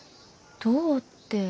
どうって。